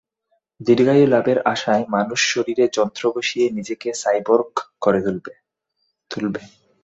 দীর্ঘায়ু লাভের আশায় মানুষ শরীরে যন্ত্র বসিয়ে নিজেকে সাইবর্গ করে তুলবে।